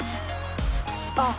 あっ！